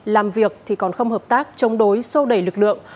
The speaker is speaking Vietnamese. làm việc thì còn không hợp tác chống đối sô đẩy lực lượng